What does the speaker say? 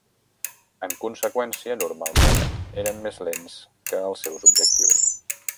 En conseqüència, normalment eren més lents que els seus objectius.